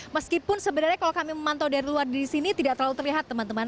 meskipun sebenarnya kalau kami memantau dari luar di sini tidak terlalu terlihat teman teman